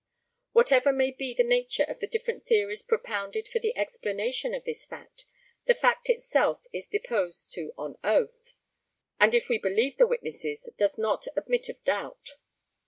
Whatever may be the nature of the different theories propounded for the explanation of this fact, the fact itself is deposed to on oath; and, if we believe the witnesses, does not admit of doubt.